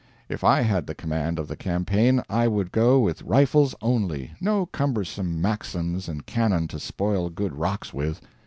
If I had the command of the campaign I would go with rifles only, no cumbersome Maxims and cannon to spoil good rocks with.